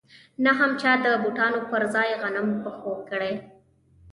نه هم چا د بوټانو پر ځای غنم په پښو کړي